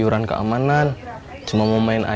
udah gak usah ngomongin dia